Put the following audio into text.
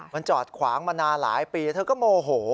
มันจอดขวางมานานหลายปีเธอก็โมโห